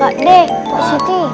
pak de pok siti